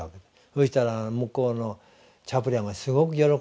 そうしたら向こうのチャプレンはすごく喜びましてね。